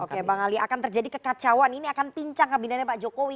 oke bang ali akan terjadi kekacauan ini akan pincang kabinetnya pak jokowi